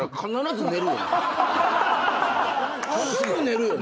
すぐ寝るよね？